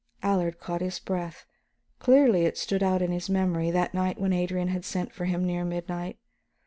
Allard caught his breath; clearly it stood out in his memory, that night when Adrian had sent for him near midnight.